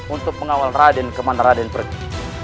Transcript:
untuk mengawal raden kemana raden pergi